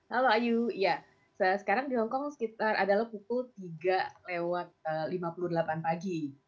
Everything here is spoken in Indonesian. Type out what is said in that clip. halo ayu ya sekarang di hongkong sekitar adalah pukul tiga lewat lima puluh delapan pagi